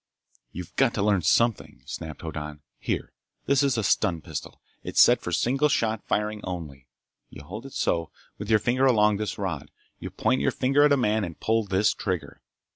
"You've got to learn something," snapped Hoddan. "Here! This is a stun pistol. It's set for single shot firing only. You hold it so, with your finger along this rod. You point your finger at a man and pull this trigger.